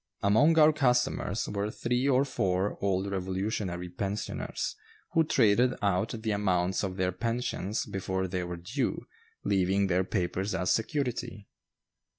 Among our customers were three or four old Revolutionary pensioners, who traded out the amounts of their pensions before they were due, leaving their papers as security.